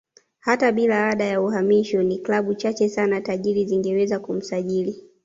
Hata bila ada ya uhamisho ni klabu chache sana tajiri zingeweza kumsajili